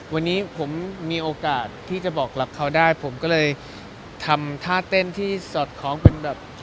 วันนี้ผมมีโอกาสที่จะบอกรักเขาได้ผมก็เลยทำท่าเต้นที่สอดคล้องเป็นแบบ